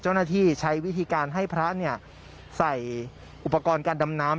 เจ้าหน้าที่ใช้วิธีการให้พระใส่อุปกรณ์การดำน้ำ